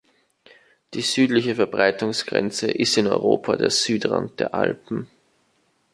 Die südliche Verbreitungsgrenze ist in Europa der Südrand der Alpen.